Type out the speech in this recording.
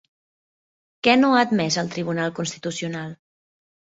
Què no ha admès el Tribunal Constitucional?